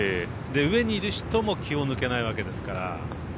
上にいる人も気を抜けないわけですから。